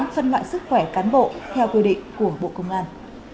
phân loại sức khỏe cán bộ theo quy định của bộ công an